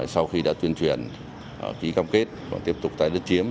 sau khi đã tuyên truyền ký cam kết và tiếp tục tái lất chiếm